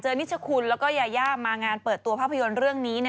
นิชคุณแล้วก็ยายามางานเปิดตัวภาพยนตร์เรื่องนี้